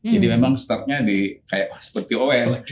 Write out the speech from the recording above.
jadi memang mulanya seperti aware